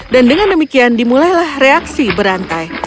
dan dengan demikian dimulailah reaksi berantai